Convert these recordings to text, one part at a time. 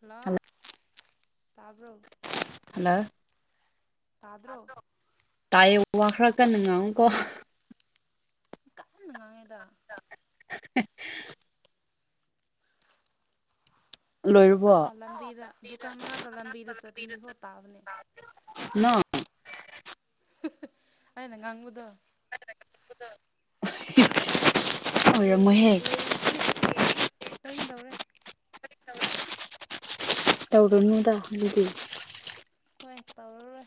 hello ꯇꯥꯕ꯭ꯔꯣ hello ꯇꯥꯗ꯭ꯔꯣ ꯇꯥꯏ ꯋꯥ ꯈꯔ ꯀꯟꯅ ꯉꯥꯡꯉꯨꯒꯣ ꯀꯣ ꯀꯛꯟꯅ ꯉꯥꯡꯉꯦꯗ [unintelligible] ꯂꯣꯏꯔꯕꯣ ꯍꯥꯜꯂꯣ ꯑꯥ ꯂꯝꯕꯤꯗ ꯗꯨꯀꯥꯟ ꯃꯅꯥꯛꯇ ꯂꯝꯕꯤꯗ ꯆꯠꯄ ꯃꯤꯐꯥꯎ ꯇꯥꯕꯅꯦ ꯑꯩꯅ ꯉꯥꯡꯕꯗꯣ [unintelligible] ꯑꯣꯏꯔꯝꯃꯣꯏꯍꯦ ꯂꯣꯏꯗ꯭ꯔꯤ ꯂꯣꯏꯒꯗꯧꯔꯦ ꯇꯧꯗꯨꯢꯅꯤꯗ ꯑꯗꯨꯗꯤ ꯍꯣꯏ ꯇꯧꯔꯔꯣꯢ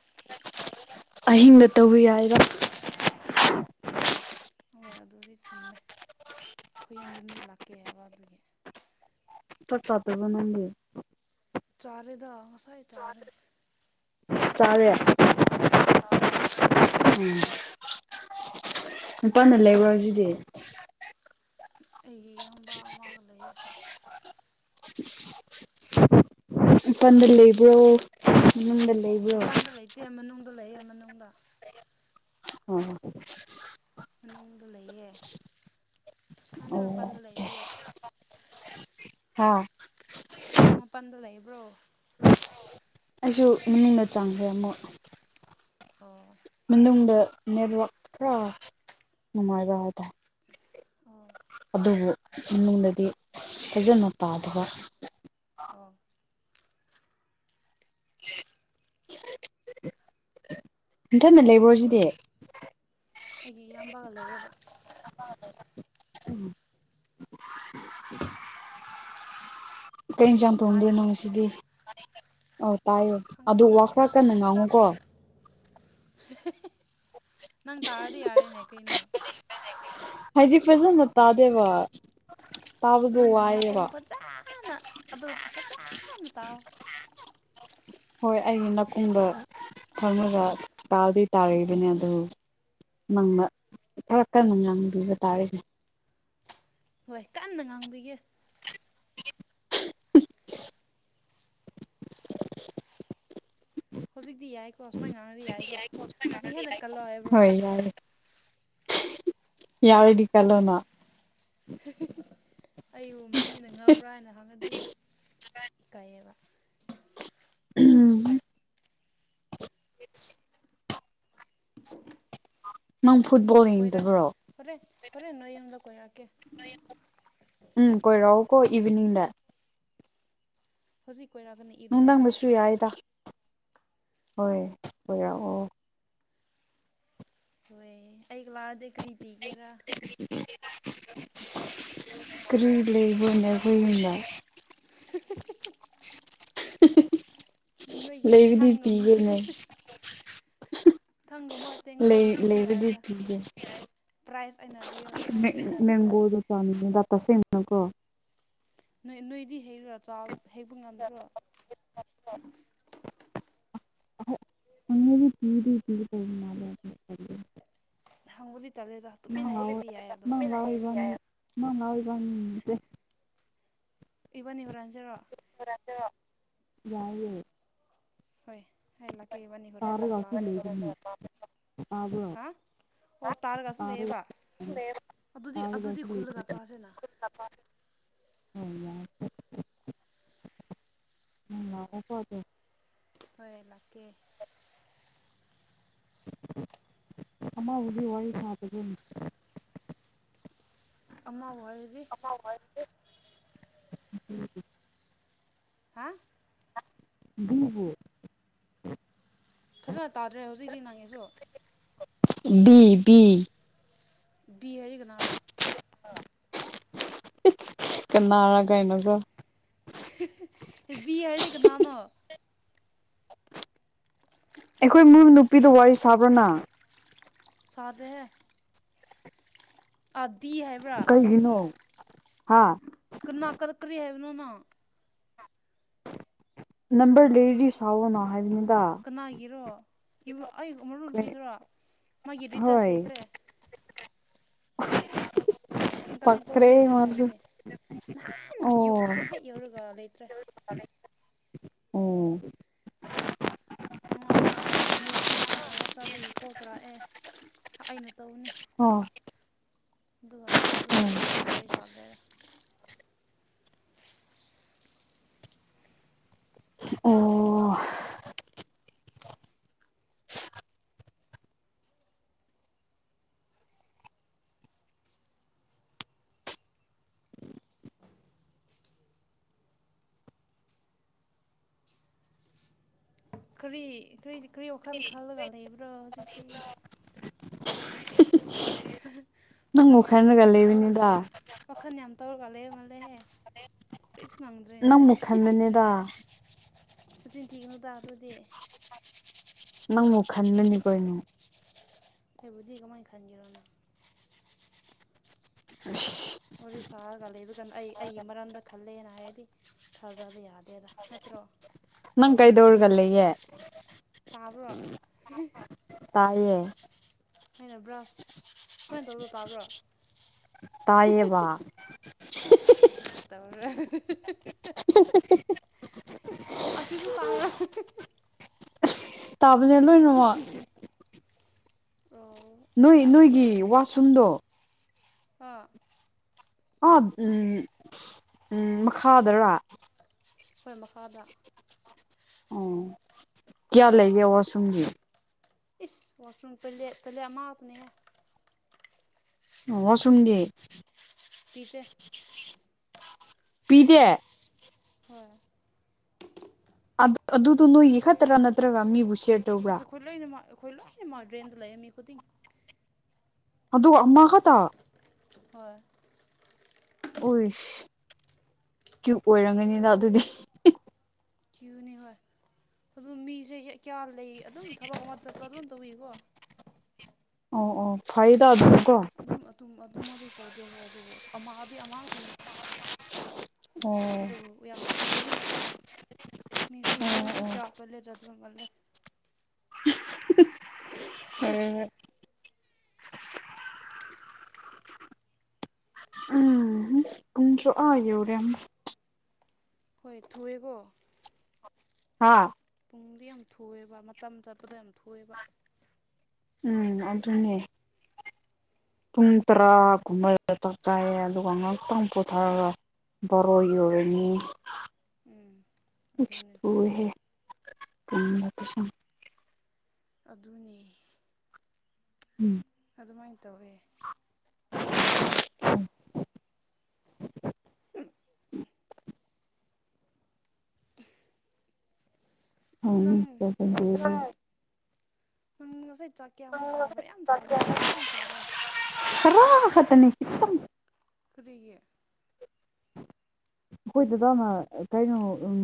ꯑꯍꯤꯡꯗ ꯇꯧꯕ ꯌꯥꯏꯕ ꯍꯣꯏ ꯑꯗꯨꯗꯤ ꯆꯨꯝꯃꯦ ꯑꯩꯈꯣꯏ ꯍꯌꯦꯡꯗꯣ ꯃꯤ ꯂꯥꯛꯀꯦ ꯍꯥꯏꯕ ꯑꯗꯨꯒꯤ ꯆꯥꯛ ꯆꯗ꯭ꯔꯤꯕꯣ ꯅꯥꯪꯗꯤ ꯆꯔꯦꯗ ꯉꯁꯥꯢ ꯆꯥꯔꯦ ꯆꯥꯔꯦ ꯍꯣꯏ ꯎꯝ ꯃꯄꯥꯜꯗ ꯂꯩꯕ꯭ꯔꯣ ꯑꯗꯨꯗꯤ ꯑꯩꯒꯤ ꯢꯌꯥꯝꯕ ꯑꯃꯒ ꯂꯩꯌꯦ ꯃꯄꯥꯟꯗꯥ ꯂꯩꯕꯔꯣ ꯏꯃꯨꯡꯗ ꯃꯄꯜꯗ ꯂꯩꯇꯦ ꯃꯅꯨꯡꯗ ꯂꯩ ꯃꯅꯨꯡꯗ ꯑꯣ ꯃꯅꯨꯡꯗ ꯂꯩꯌꯦ ꯅꯪꯗꯤ ꯑꯣ ꯃꯄꯥꯟꯗ ꯂꯩꯕ꯭ꯔꯣ ꯍꯥ ꯅꯪ ꯃꯄꯥꯟꯗ ꯂꯩꯕ꯭ꯔꯣ ꯑꯩꯁꯨ ꯃꯃꯤꯗ ꯆꯪꯈ꯭ꯔꯦ ꯑꯃꯨꯛ ꯑꯣ ꯃꯅꯨꯡꯗ ꯅꯦꯠꯋꯥꯛ ꯈꯔ ꯅꯨꯡꯉꯥꯏꯕ ꯍꯥꯏꯇꯥꯔꯦ ꯑꯣ ꯑꯗꯨꯕꯨ ꯃꯅꯨꯡꯗꯗꯤ ꯐꯖꯅ ꯇꯥꯗꯕ ꯑꯣ [inaudible] ꯅꯊꯟꯗ ꯂꯩꯕ꯭ꯔꯣ ꯁꯤꯗꯤ ꯑꯩꯒꯤ ꯏꯌꯥꯝꯕꯒ ꯂꯩꯌꯦꯕ ꯍꯣꯏ ꯍ [inaudible] ꯀꯩ ꯏꯆꯥꯡ ꯇꯣꯡꯗꯣꯏꯅꯣ ꯇꯥꯏꯀꯣ ꯉꯁꯤꯗꯤ ꯑꯣ ꯇꯥꯏꯌꯦ ꯑꯁ ꯑꯗꯨ ꯈꯪꯗꯦꯗ ꯋꯥ ꯈꯔ ꯀꯟꯅ ꯆꯞ ꯉꯥꯡꯉꯨꯀꯣ ꯅꯪ ꯇꯥꯔꯗꯤ ꯌꯥꯔꯦꯅꯦ ꯀꯩꯅꯣ ꯍꯥꯏꯗꯤ ꯐꯖꯅ ꯇꯥꯗꯦꯕ ꯇꯥꯕꯗꯣ ꯅꯪꯒꯤ ꯋꯥꯏꯑꯦꯕ ꯅꯥꯀꯣꯡ ꯐꯖꯅ ꯑꯗꯨ ꯐꯖꯅ ꯇꯥꯎ ꯍꯣꯏ ꯑꯩꯒꯤ ꯅꯀꯣꯡꯗ ꯊꯥꯝꯃꯒ ꯇꯥꯗꯤ ꯇꯔꯤꯕꯅꯦ ꯑꯗꯣ ꯅꯪꯕ ꯈꯔ ꯀꯟꯅ ꯉꯥꯡꯕꯤꯕ ꯇꯥꯔꯦꯅꯦ ꯍꯣꯏ ꯀꯥꯟꯅ ꯉꯥꯡꯕꯤꯒꯦ [inaudible] ꯍꯧꯖꯤꯛꯇꯤ ꯌꯥꯏꯀꯣ ꯁꯨꯃꯥꯏꯅ ꯉꯥꯡꯅꯗꯤ ꯌꯥꯏꯀꯣ ꯑꯁꯤ ꯍꯦꯟꯅ ꯀꯜꯂꯣ ꯍꯥꯏꯕ꯭ꯔꯣ ꯌꯥꯢꯌꯦ ꯌꯥꯎꯔꯗꯤ ꯀꯜꯂꯣꯅꯥ ꯑꯩꯕꯨ ꯃꯤꯅ ꯉꯧꯕ꯭ꯔꯥ ꯍꯥꯏꯅ ꯍꯪꯔꯗꯤ ꯏꯀꯥꯏꯌꯦꯕ [inaudible] ꯅꯪ ꯐꯨꯠꯕꯣꯜ ꯀꯣꯏꯔꯛ ꯌꯦꯡꯗꯕ꯭ꯔꯣ ꯍꯣꯔꯦ ꯍꯣꯔꯦꯟ ꯅꯣꯏ ꯌꯨꯝꯗ ꯀꯣꯏꯔꯛꯀꯦ ꯎꯝ ꯀꯣꯢꯔꯛꯎꯀꯣ ꯏꯚꯤꯅꯤꯡꯗ ꯍꯧꯖꯤꯛ ꯀꯣꯏꯔꯛꯒꯅꯤ ꯅꯨꯡꯊꯥꯡꯗꯁꯨ ꯌꯥꯏꯗ ꯍꯣꯏ ꯀꯣꯏꯔꯥꯛꯑꯣ ꯍꯣꯏ ꯑꯩꯒꯂꯥꯒꯑꯗꯤ ꯀꯔꯤ ꯄꯤꯒꯦꯔꯥ ꯀꯔꯤ ꯂꯩꯕ꯭ꯔꯣꯅꯦ ꯑꯩꯈꯣꯢ ꯌꯨꯝꯗ [unintelligible] ꯅꯣꯏꯒꯤ ꯂꯩꯕꯗꯤ ꯊꯥꯡ ꯑꯃ ꯄꯤꯒꯦꯅꯦ ꯊꯥꯡ ꯑꯃ ꯂꯩ ꯂꯩꯕꯗꯤ ꯄꯤꯒꯦ ꯄ꯭ꯔꯥꯏꯖ ꯑꯣꯏꯅ ꯄꯤꯌꯣ ꯑꯁ ꯃꯦꯡ ꯃꯦꯡꯒꯣꯗꯣ [unintelligible] ꯇꯁꯦꯡꯅꯀꯣ ꯅꯣꯏ ꯅꯣꯏꯗꯤ ꯍꯦꯛꯑꯒꯥ ꯆꯥꯎ ꯍꯦꯛꯄꯥ ꯉꯝꯗ꯭ꯔꯣ [unintelligible] [inaudible] ꯍꯪꯕꯗꯤ ꯇꯜꯂꯦꯗ ꯇꯨꯃꯤꯟꯅ ꯅꯪꯩ ꯂꯎꯋꯣ ꯍꯩꯔꯗꯤ ꯌꯥꯏ ꯑꯗꯣ ꯅꯪ ꯂꯥꯎ ꯏꯕꯥꯅꯤ ꯅꯪ ꯂꯥꯎ ꯢꯕꯥꯅꯤ [unintelligible] ꯏꯕꯥꯅꯤ ꯍꯨꯔꯥꯟꯁꯤꯔꯣ ꯍꯨꯔꯥꯟꯁꯤꯔꯣ ꯌꯥꯏꯌꯦ ꯍꯣꯏ ꯑꯩ ꯂꯥꯛꯀꯦ ꯢꯕꯥꯅ ꯍꯨꯔꯥꯜꯂꯒ ꯇꯥꯔꯒꯁꯨ ꯆꯥꯁꯦꯀꯣ ꯂꯩꯒꯅꯤ ꯇꯥꯕ꯭ꯔꯣ ꯍꯥ ꯑꯣ ꯇꯥꯔꯒꯁꯨ ꯇꯥꯔꯒ ꯅꯩꯌꯦꯕ ꯇꯥꯔꯒꯁꯨ ꯑꯗꯨꯗꯤ ꯑꯗꯨꯗꯤ ꯈꯨꯜꯂꯒ ꯂꯩꯒꯅꯤ ꯆꯥꯁꯤꯅ [inaudible] ꯅꯪ ꯂꯥꯛꯑꯣꯀꯣ ꯑꯗꯣ ꯍꯣꯏ ꯂꯥꯛꯀꯦ ꯑꯃꯕꯨꯗꯤ ꯋꯥꯏ ꯁꯥꯕ [unintelligible] ꯑꯃ ꯋꯥꯔꯤꯗꯤ [inaudible] ꯍꯥꯥ [inaudible] ꯐꯖꯅ ꯇꯥꯗ꯭ꯔꯦ ꯍꯧꯖꯤꯛꯇꯤ ꯅꯪꯒꯤꯁꯨ ꯕꯤꯕꯤ ꯕꯤ ꯍꯥꯏꯔꯤ ꯀꯅꯥꯔꯣ ꯀꯅꯥꯔ ꯀꯥꯏꯅꯀꯣ ꯕꯤ ꯍꯥꯏꯕꯗꯤ ꯀꯅꯥꯅꯣ ꯑꯩꯈꯣꯏ ꯃꯨ ꯅꯨꯄꯤꯗ ꯋꯥꯔꯤ ꯁꯥꯕ꯭ꯔꯣ ꯅꯪ ꯁꯥꯗꯦꯍꯦ ꯑ ꯗꯤ ꯍꯥꯏꯕ꯭ꯔꯥ ꯀꯩꯒꯤꯅꯣ ꯍꯥꯥ ꯀꯅꯥ ꯀ꯭ꯔꯤ ꯀ꯭ꯔꯤ ꯍꯥꯏꯕꯅꯣ ꯅꯪ ꯅꯝꯕꯔ ꯂꯩꯔꯗꯤ ꯁꯥꯥꯑꯣꯅ ꯍꯥꯏꯕꯅꯤꯗ ꯀꯅꯥꯒꯤꯔꯣ ꯃꯔꯨ ꯅꯨꯄꯤꯗꯨꯔꯣ ꯃꯥꯒꯤ ꯔꯤꯆꯥꯔꯖ ꯍꯣꯏ ꯂꯩꯇ꯭ꯔꯦ [unintelligible] ꯏꯟꯀꯃꯤꯡꯁꯨ ꯀꯣꯜꯁꯨ ꯄꯛꯈ꯭ꯔꯦ ꯂꯩꯇ꯭ꯔꯦ ꯃꯥꯁꯨ ꯃꯥꯒꯤꯗꯤ ꯅꯍꯥꯟ ꯌꯨꯝ ꯈꯨꯟ ꯍꯦꯛ ꯌꯧꯔꯒ ꯂꯩꯇ꯭ꯔꯦ ꯑꯝ [unintelligible] ꯅꯦꯠ ꯋꯥꯆꯞꯗꯒꯤ ꯀꯣꯜ ꯇꯧꯔꯛꯑꯦ ꯑꯩꯅ ꯇꯧꯕꯅꯤ ꯑꯣ ꯑꯗꯨꯒ ꯑꯗꯨꯗꯨꯒꯤ ꯑꯗꯨꯝ ꯋꯥꯔꯤ ꯁꯥꯒ꯭ꯔꯦꯗ ꯑꯣ ꯀꯔꯤ ꯀꯔꯤ ꯀ꯭ꯔꯤ ꯋꯥꯈꯟ ꯈꯜꯂꯒ ꯂꯩꯕ꯭ꯔꯣ ꯍꯧꯖꯤꯛꯇꯤ [unintelligible] ꯋꯥꯈꯟ ꯅꯪꯕꯨ ꯌꯥꯝ ꯈꯟꯂꯒ ꯌꯥꯝ ꯇꯧ ꯂꯩꯕꯅꯤꯗ ꯋꯥꯈꯟ ꯌꯥꯝ ꯇꯧꯔ ꯂꯩꯕ ꯃꯥꯜꯂꯦꯍꯦ ꯀꯔꯤꯁꯨ ꯉꯥꯡꯗ꯭ꯔꯦꯅꯦ ꯅꯪꯕꯨ ꯈꯟꯕꯅꯤꯗ ꯃꯆꯤꯟ ꯊꯤꯒꯅꯨ ꯇꯥꯗꯨꯗꯤ ꯅꯪꯕꯨ ꯈꯟꯕꯅꯤ ꯀꯩꯅꯦ ꯑꯩꯕꯧꯗꯤ ꯀꯃꯥꯢ ꯈꯟꯑꯦꯔꯣ ꯅꯪ [unintelligible] ꯋꯥꯔꯤ ꯁꯥꯔꯒ ꯂꯩꯕ ꯀꯥꯟ ꯑꯩ ꯑꯩꯒꯤ ꯃꯔꯝꯗ ꯈꯜꯂꯦꯅ ꯍꯥꯏꯔꯗꯤ ꯊꯥꯖꯕ ꯌꯥ ꯗꯦꯗ ꯅꯠꯇ꯭ꯔꯣ ꯅꯪ ꯀꯩꯗꯧꯔꯒ ꯂꯩꯒꯦ ꯇꯥꯕ꯭ꯔꯣ ꯇꯥꯢꯌꯦ ꯑꯩꯅ ꯕ꯭ꯔꯁ ꯁꯃꯥꯏꯅ ꯇꯧꯗꯨ ꯇꯥꯕ꯭ꯔꯣ ꯇꯥꯏꯌꯦꯕ ꯍꯣꯢ ꯍꯣꯢ ꯇꯧꯔꯔꯣꯢ [unintelligible] ꯑꯁꯤꯁꯨ ꯇꯥꯕ꯭ꯔꯥ [inaudible] ꯇꯥꯕꯅꯧ ꯂꯣꯢ ꯑꯣ ꯅꯣꯏ ꯅꯣꯏꯒꯤ ꯋꯥꯁꯔꯨꯝꯗꯣ ꯑ ꯑ ꯎꯝ ꯎꯝ ꯃꯈꯥꯗꯔꯥ ꯍꯣꯢ ꯃ ꯈꯥꯗ ꯑꯣ ꯀꯌꯥ ꯂꯩꯒꯦ ꯋꯥꯁꯨꯔꯝꯒꯤꯗꯤ ꯏꯁ ꯋꯥꯁꯔꯨꯝ ꯇꯣꯢꯂꯦꯠ ꯆꯣꯢꯂꯦꯠ ꯑꯃꯈꯛꯇꯅꯤꯍꯦ ꯋꯥꯁꯔꯨꯝꯗꯤ ꯄꯤꯇꯦ ꯄꯤꯗꯦ ꯍꯣꯏ ꯑꯗꯨ ꯑꯗꯨꯗꯣ ꯅꯣꯏꯒꯤ ꯈꯛꯇ꯭ꯔꯥ ꯅꯠꯇ꯭ꯔꯒ ꯃꯤꯕꯨ ꯁꯌ꯭ꯥꯔ ꯑꯁ ꯑꯩꯈꯣꯏ ꯂꯣꯏꯅꯃꯛ ꯑꯩꯈꯣꯏ ꯂꯣꯏꯅꯃꯛ ꯗ꯭ꯔꯦꯟꯗ ꯂꯩꯌꯦ ꯃꯤ ꯈꯨꯗꯤꯡ ꯑꯗꯨꯒ ꯑꯃ ꯈꯛꯇ ꯍꯣꯏ ꯑꯣꯏꯁ ꯀ꯭ꯌꯨ ꯑꯣꯏꯔꯝꯒꯅꯤꯗ ꯑꯗꯨꯗꯤ ꯀ꯭ꯌꯨꯅꯤ ꯍꯣꯏ ꯑꯗꯨ ꯃꯤꯖꯦ ꯀꯌꯥ ꯂꯩ ꯑꯗꯨꯝ ꯊꯕꯛ ꯑꯃ ꯆꯠꯄ ꯑꯗꯨꯝ ꯇꯧꯏꯤꯀꯣ ꯑꯣ ꯑꯣ ꯐꯥꯏꯗ ꯑꯗꯨ ꯑꯗꯨꯝ ꯑꯗꯨꯝ ꯑꯗꯨꯃꯗꯤ ꯇꯧꯗꯦ ꯍꯣꯏ ꯑꯗꯨꯕꯨ ꯑꯃꯗꯤ ꯑꯃꯛꯇꯅꯤ ꯑꯣ ꯑꯗꯨꯕꯨ ꯌꯥꯝ ꯆꯤꯟꯕꯗꯤ ꯅꯠꯇꯦ ꯃꯤꯁꯨ ꯃꯣꯏꯁꯨ ꯍꯣꯏ ꯀꯌꯥ ꯇꯣꯜꯂꯦꯠ ꯆꯠꯄ ꯃꯜꯂꯦ ꯍꯣꯢ ꯍꯣꯢ ꯎꯝ ꯄꯩꯡꯁꯨ ꯌꯧꯔꯦꯝ ꯍꯣꯏ ꯊꯨꯋꯦꯀꯣ ꯍꯥꯥ ꯄꯨꯡꯗꯤ ꯌꯥꯝ ꯊꯨꯑꯦꯕ ꯃꯇꯝ ꯆꯠꯄꯗꯣ ꯌꯥꯝ ꯊꯨꯑꯦꯕ ꯎꯝ ꯑꯗꯨꯅꯦ ꯄꯨꯡ ꯇ꯭ꯔꯥꯒꯨꯝꯕꯗ ꯆꯥꯛ ꯆꯥꯏꯌꯦ ꯑꯗꯨꯒ ꯉꯥꯛꯇꯪ ꯄꯣꯊꯔꯒ ꯕꯔꯣ ꯌꯧꯔꯅꯤ ꯎꯝ ꯑꯗꯨꯅꯦ [unintelligible] ꯑꯗꯨꯅꯦ ꯎꯝ ꯑꯗꯨꯃꯥꯏꯅ ꯇꯧꯋꯦ ꯅꯪ [unintelligible] ꯉꯁꯥꯢ ꯆꯥꯛ ꯀꯌꯥꯃꯨꯛ ꯆꯕ꯭ꯔꯥ ꯌꯥꯝ ꯆꯥꯕ꯭ꯔꯥ ꯈꯤꯇꯪ ꯆꯥꯕ꯭ꯔꯥ ꯈꯔ ꯈꯇꯅꯦ ꯈꯤꯇꯪ ꯀꯔꯤꯒꯤ ꯑꯩꯈꯣꯏ ꯗꯗꯥꯅ ꯀꯩꯅꯣ ꯎꯝ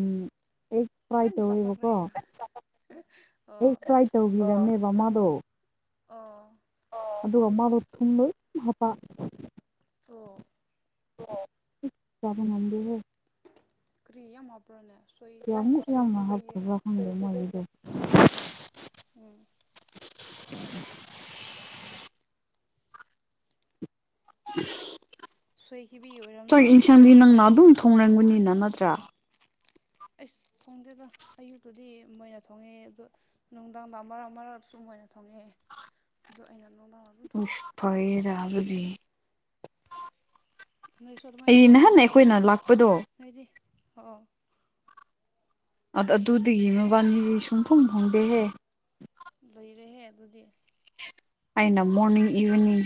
ꯑ ꯐ꯭ꯔꯥꯏ ꯂꯣꯏꯅ ꯆꯥꯊꯣꯛꯈ꯭ꯔꯦ ꯇꯧꯋꯦꯕꯀꯣ ꯑꯩ ꯐꯦꯛ ꯑꯣ ꯐ꯭ꯔꯥꯏ ꯇꯧꯕꯤꯔꯝꯃꯦꯕ ꯃꯥꯗꯣ ꯑꯣ ꯑꯗꯨ ꯃꯥꯗꯣ ꯊꯨꯝ ꯂꯣꯏ ꯍꯥꯞꯄ ꯑꯣ ꯆꯥꯕ ꯉꯝꯗꯦꯍꯦ ꯀꯔꯤ ꯌꯥꯝ ꯍꯥꯞꯄ꯭ꯔꯣꯅꯦ ꯁꯣꯏ ꯀꯌꯥꯃꯨꯛ ꯌꯥꯝꯅ ꯁꯣꯏꯈꯤꯕꯒꯤꯔꯣ ꯍꯥꯞꯈ꯭ꯔꯕꯥ ꯈꯪꯗꯦ ꯃꯥꯒꯤꯗꯣ [unintelligible] ꯎꯝ ꯁꯣꯏꯈꯤꯕꯒꯤ ꯆꯥꯛ ꯑꯣꯏꯔꯝꯅꯤꯅ ꯑꯗꯨꯗꯤ ꯢꯟꯁꯥꯡꯗꯤ ꯅꯪꯅ ꯑꯗꯨꯝ ꯊꯣꯡꯔꯝꯒꯅꯤꯅ ꯅꯠꯇ꯭ꯔꯥ ꯑꯩꯁ ꯊꯣꯡꯗꯦꯗ ꯑꯌꯨꯛꯇꯨꯗꯤ ꯃꯣꯏꯅ ꯊꯣꯡꯉꯦ ꯑꯗꯣ ꯅꯨꯡꯗꯥꯡꯗ ꯃꯔꯛ ꯃꯔꯛ ꯁꯨꯝ ꯃꯣꯏꯅ ꯊꯣꯡꯑꯦ ꯑꯗꯨ ꯑꯩꯅ ꯅꯨꯡꯗꯥꯡ ꯑꯗꯨꯝ ꯊꯣꯡꯉꯦ ꯢꯁ ꯐꯩꯌꯦꯗꯥ ꯑꯗꯨꯗꯤ ꯅꯣꯏꯁꯨ ꯑꯗꯨꯃꯥꯏꯅ ꯑꯩ ꯅꯍꯥꯟ ꯑꯩꯈꯣꯏꯅ ꯇꯧꯑꯣꯅ ꯂꯥꯛꯄꯗꯣ ꯅꯣꯏꯗꯤ ꯍꯣꯑꯣ ꯑ ꯑꯗꯨꯗꯒꯤ ꯃꯕꯥꯅꯤꯗꯤ ꯁꯨꯡꯐꯪ ꯐꯪꯗꯦꯍꯦ ꯂꯩꯔꯦꯍꯦ ꯑꯗꯨꯗꯤ ꯑꯩꯅ ꯃꯣꯔꯅꯤꯡ ꯏꯚꯤꯅꯤꯡ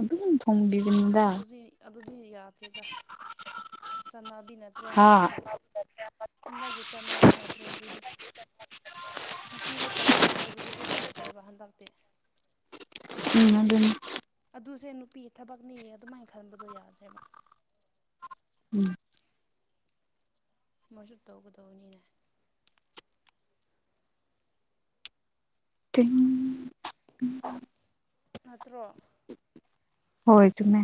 ꯑꯗꯨꯝ [unintelligible] ꯑꯗꯨꯗꯤ ꯑꯗꯨꯗꯤ ꯌꯥꯗꯦꯗ ꯆꯠꯅꯕꯤ ꯅꯠꯇ꯭ꯔꯦ ꯍꯥ ꯍꯟꯗꯛꯀꯤ ꯍꯟꯗꯛꯀꯤ ꯆꯠꯅꯕꯤ ꯅꯠꯇ꯭ꯔꯦ ꯑꯗꯨꯗꯤ ꯅꯨꯄꯤꯅ ꯇꯧꯑꯣ ꯍꯥꯏꯕꯗꯨꯗꯤ ꯌꯥꯗ꯭ꯔꯦꯕ ꯍꯟꯗꯛꯇꯤ ꯎꯝ ꯑꯗꯨꯅꯤ ꯑꯗꯨꯁꯦ ꯅꯨꯄꯤ ꯊꯕꯛꯅꯤ ꯑꯗꯨꯃꯥꯏꯅ ꯈꯟꯕꯗꯣ ꯌꯥꯗ꯭ꯔꯦꯕ ꯎꯝ ꯃꯣꯏꯁꯨ ꯇꯧꯒꯗꯧꯕꯅꯤꯅꯦ [unintelligible] [inaudible] ꯅꯠꯇ꯭ꯔꯣ ꯍꯣꯏ ꯆꯨꯝꯃꯦ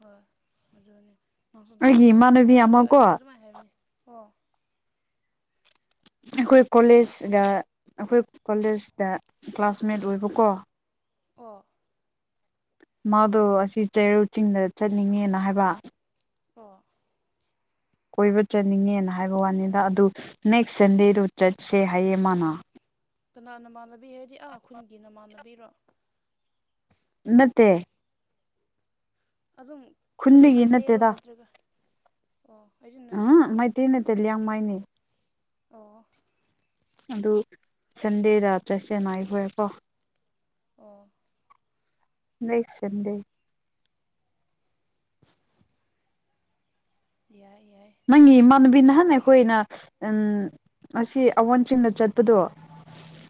ꯍꯣꯏ ꯑꯗꯨꯅꯦ ꯅꯪꯖꯨ ꯑꯗꯨꯃꯥꯏ ꯑꯩꯒꯤ ꯍꯥꯏꯌꯣ ꯏꯃꯥꯟꯅꯕꯤ ꯑꯩꯗꯤ ꯑꯃ ꯀꯣ ꯑꯩꯗꯤ ꯑꯗꯨꯃꯥꯏ ꯍꯥꯏꯕꯅꯦ ꯑꯣ ꯑꯩꯈꯣꯏ ꯀꯣꯂꯦꯖꯒ ꯑꯩꯈꯣꯏ ꯀꯣꯂꯦꯖꯗ ꯀ꯭ꯂꯥꯁꯃꯦꯠ ꯑꯣꯏꯕꯀꯣ ꯑꯣ ꯃꯥꯗꯣ ꯑꯁꯤ ꯆꯩꯔꯧ ꯆꯤꯡꯗ ꯆꯠꯅꯤꯡꯉꯦꯅ ꯍꯥꯏꯕ ꯑꯣ ꯀꯣꯏꯕ ꯆꯠꯅꯤꯡꯉꯦꯅ ꯍꯥꯏꯕ ꯋꯥꯅꯤꯗ ꯑꯗꯨ ꯅꯦꯛꯁ ꯁꯟꯗꯦꯗꯨ ꯆꯠꯁꯦ ꯍꯥꯏꯌꯦ ꯃꯥꯅ ꯀꯅꯥ ꯅꯃꯥꯟꯅꯕꯤ ꯍꯥꯏꯔꯗꯤ ꯑꯥ ꯈꯨꯟꯒꯤ ꯅꯃꯥꯟꯅꯕꯤꯔꯣ ꯅꯠꯇꯦ ꯑꯗꯨꯝ ꯀꯔꯤ ꯈꯨꯟꯗꯒꯤ ꯃꯩꯇꯩꯔꯣ ꯅꯠꯇꯦꯗ ꯅꯠꯇ꯭ꯔꯒ ꯑꯣ ꯑꯩꯖꯨ ꯅꯣꯏ ꯈꯨꯟꯒꯤ ꯇꯦꯂꯤꯌꯥꯡ ꯃꯩꯅꯦ ꯑꯣ ꯑꯗꯨ ꯁꯟꯗꯦꯗ ꯆꯠꯁꯦꯅ ꯑꯩꯈꯣꯢ ꯀꯣ ꯑꯣ ꯅꯦꯛꯁ ꯁꯟꯗꯦ ꯌꯥꯏ ꯌꯥꯏ ꯅꯪꯒꯤ ꯏꯃꯥꯟꯅꯕꯤ ꯅꯍꯥꯟ ꯑꯩꯈꯣꯏꯅ ꯑꯁꯤ ꯑꯋꯣꯟꯆꯤꯡꯗ ꯆꯠꯄꯗꯨ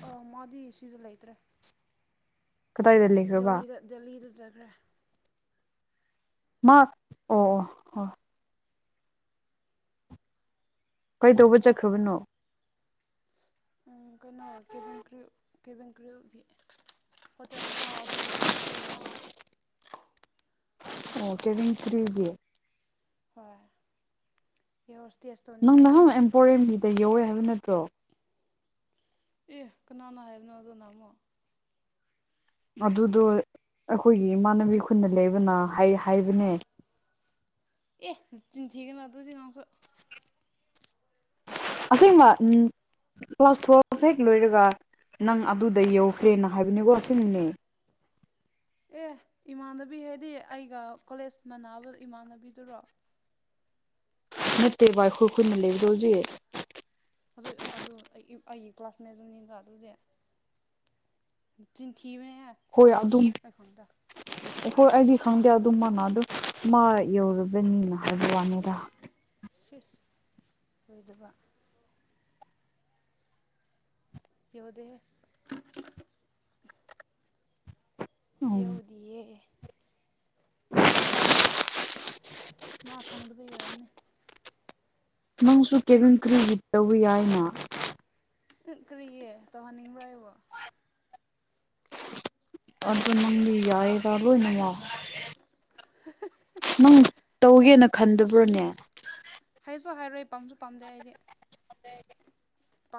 ꯑ ꯃꯥꯗꯤ ꯁꯤꯗ ꯂꯩꯇ꯭ꯔꯦ ꯀꯗꯥꯏꯗ ꯂꯩꯒ꯭ꯔꯕ ꯗꯦꯜꯂꯤꯗ ꯗꯦꯜꯂꯤꯗ ꯆꯈ꯭ꯔꯦ ꯃꯥ ꯑꯣ ꯑꯣ ꯍꯣꯏ ꯀꯩꯗꯧꯕ ꯆꯠꯈ꯭ꯔꯕꯅꯣ ꯎꯝ ꯀꯩꯅꯣ ꯀꯦꯚꯤꯟ ꯀ꯭ꯔꯨ ꯀꯦꯚꯤꯟ ꯀ꯭ꯔꯨꯒꯤ ꯍꯣꯇꯦꯜꯅꯤ ꯑꯥ ꯑꯗꯨ ꯑꯗꯨꯒꯨꯝꯕꯒꯤ ꯑꯣ ꯀꯦꯕꯤꯟ ꯀ꯭ꯔꯨꯒꯤ ꯍꯣꯏ ꯢꯌꯥꯔ ꯍꯣꯁꯇꯦꯁ ꯅꯪ ꯇꯧꯅꯤꯡꯉꯦ ꯍꯥꯢꯌꯦ ꯅꯍꯥꯟ ꯃꯥ ꯑꯦꯝꯄꯣꯔꯤꯌꯝꯒꯤꯗ ꯌꯧꯋꯦ ꯍꯥꯏꯕ ꯅꯠꯇ꯭ꯔꯣ ꯑꯦ ꯀꯅꯥꯅ ꯍꯥꯏꯕꯅꯣ ꯑꯗꯨꯅ ꯑꯃꯨꯛ ꯑꯗꯨꯗꯨ ꯑꯩꯈꯣꯏꯒꯤ ꯏꯃꯥꯟꯅꯕꯤ ꯈꯨꯅ ꯂꯩꯕꯅ ꯍꯥꯢ ꯍꯥꯢꯕꯅꯦ ꯑꯦ ꯅꯆꯤꯟꯊꯤꯒꯅꯣ ꯑꯗꯨꯗꯤ ꯅꯪꯁꯨ ꯑꯁꯦꯡꯕ ꯎꯝ ꯀ꯭ꯂꯥꯁ ꯇꯦꯜꯐ ꯍꯦꯛ ꯂꯣꯏꯔꯒ ꯅꯪ ꯑꯗꯨꯗ ꯌꯧꯈ꯭ꯔꯦꯅ ꯍꯥꯏꯕꯅꯤꯀꯣ ꯑꯁꯦꯡꯕꯅꯦ ꯑꯦ ꯏꯃꯥꯟꯅꯕꯤ ꯍꯥꯏꯗꯤ ꯑꯩꯒ ꯀꯣꯂꯦꯖ ꯃꯅꯥꯅꯕ ꯏꯃꯥꯟꯅꯕꯤꯗꯨꯔꯣ ꯅꯠꯇꯦꯕ ꯑꯩꯈꯣꯢ ꯈꯨꯟꯗ ꯂꯩꯕꯗꯨꯒꯤ ꯑꯗꯨ ꯑꯗꯨ ꯑꯩ ꯑꯩꯒꯤ ꯀ꯭ꯂꯥꯁꯃꯦꯠꯗꯨꯅꯤꯗ ꯑꯗꯨꯗꯤ ꯅꯆꯤꯟ ꯊꯤꯕꯅꯦꯍꯦ ꯍꯣꯏ ꯑꯗꯨꯝ ꯑꯩꯈꯣꯢ ꯑꯩꯗꯤ ꯈꯪꯗꯦ ꯑꯗꯨ ꯃꯥꯅ ꯑꯗꯨꯝ ꯃꯥ ꯌꯧꯔꯕꯅꯤꯅ ꯍꯥꯏꯕ ꯋꯥꯅꯤꯗ ꯁꯤꯁ ꯑꯣꯏꯗꯕ ꯌꯧꯗꯦꯍꯦ ꯎꯝ ꯌꯧꯗꯤꯌꯦ ꯃꯥ ꯈꯪꯗꯕꯩ ꯑꯣꯢꯔꯝꯅꯤ ꯅꯪꯁꯨ ꯀꯦꯚꯤꯟ ꯀ꯭ꯔꯤꯋꯨꯒꯤ ꯇꯧꯕ ꯌꯥꯏꯅ ꯀ꯭ꯔꯤꯒꯤ ꯇꯧꯍꯟꯅꯤꯡꯕ꯭ꯔꯥ ꯑꯩꯕꯨ ꯑꯗꯨ ꯅꯪꯗꯤ ꯌꯥꯏꯌꯦꯕ ꯂꯣꯏꯅꯃꯛ ꯅꯪ ꯇꯧꯒꯦꯅ ꯍꯥꯏꯔꯣꯏ ꯈꯟꯗꯕ꯭ꯔꯣꯅꯦ ꯍꯥꯏꯁꯨ ꯍꯥꯏꯔꯣꯏ ꯄꯥꯝꯁꯨ ꯄꯥꯝꯗꯦ ꯑꯩꯗꯤ [inaudible] ꯄꯥꯛꯁꯨ